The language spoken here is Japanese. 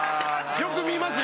よく見ます。